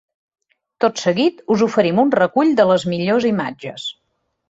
Tot seguit us oferim un recull de les millors imatges.